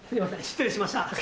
失礼しました。